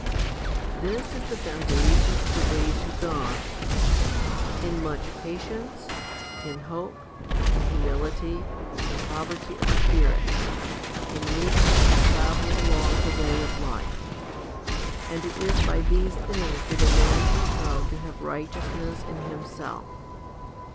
23. This is the foundation of the way to God in much patience, in hope, in humility, in poverty of spirit, in meek ness to travel along the way of life; and it is by these things that a man can come to have righteousness in himself.